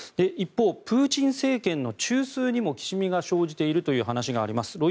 一方、プーチン政権の中枢にもきしみが生じているという話があります。